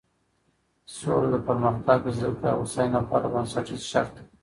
سوله د پرمختګ، زده کړې او هوساینې لپاره بنسټیز شرط دی.